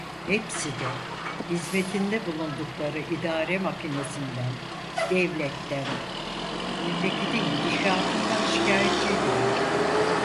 Hepsi de, hizmetinde bulundukları idare makinesinden, devletten, memleketin gidişatından şikayetçiydiler.